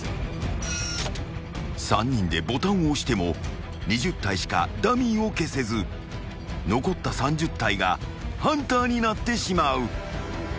［３人でボタンを押しても２０体しかダミーを消せず残った３０体がハンターになってしまう］